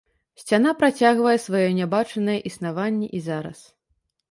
Сцяна працягвае сваё нябачнае існаванне і зараз.